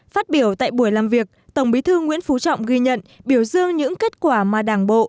phát biểu tại buổi làm việc tổng bí thư nguyễn phú trọng ghi nhận biểu dương những kết quả mà đảng bộ